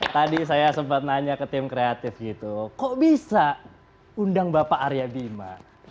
tadi saya sempat nanya ke tim kreatif gitu kok bisa undang bapak arya bima